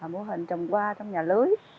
mô hình trồng hoa trong nhà lưới